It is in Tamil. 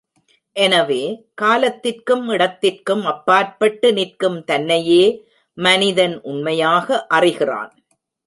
எனவே, காலத்திற்கும் இடத்திற்கும் அப்பாற்பட்டு நிற்கும் தன்னையே மனிதன் உண்மையாக அறிகிறான்.